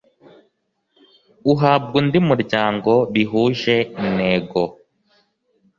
Uhabwa undi muryango bihuje intego